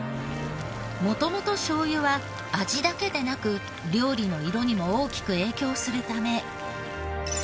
元々醤油は味だけでなく料理の色にも大きく影響するため。